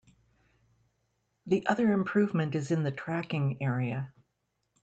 The other improvement is in the tracking area.